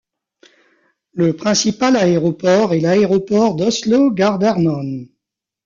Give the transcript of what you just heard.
Le principal aéroport est l'aéroport d'Oslo-Gardermoen.